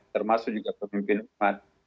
termasuk juga pemimpin umat